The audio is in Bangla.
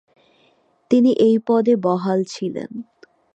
তিনি এই পদে বহাল ছিলেন।